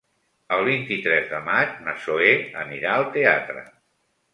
El vint-i-tres de maig na Zoè anirà al teatre.